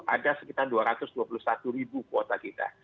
ada sekitar dua ratus dua puluh satu ribu kuota kita